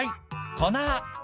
「粉？